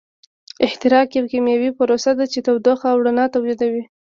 احتراق یوه کیمیاوي پروسه ده چې تودوخه او رڼا تولیدوي.